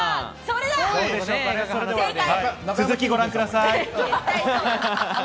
続きご覧ください。